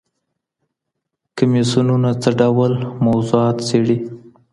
کمېسیونونه څه ډول موضوعات څیړي؟